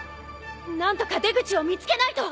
何とか出口を見つけないと！